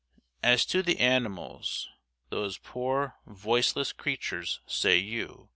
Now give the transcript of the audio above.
As to the animals "those poor voiceless creatures," say you.